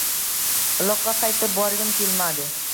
Uloqqa qaytib borgim kelmadi.